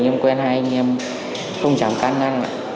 em quen hai anh em không chẳng can năng